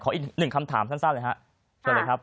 ขออีก๑คำถามสั้นเลยค่ะ